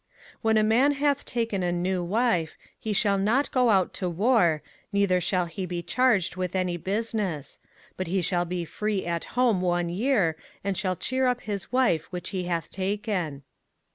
05:024:005 When a man hath taken a new wife, he shall not go out to war, neither shall he be charged with any business: but he shall be free at home one year, and shall cheer up his wife which he hath taken.